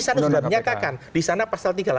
harus dilapniakakan di sana pasal tiga puluh delapan